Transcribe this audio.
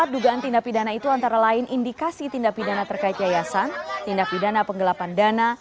empat dugaan tindak pidana itu antara lain indikasi tindak pidana terkait yayasan tindak pidana penggelapan dana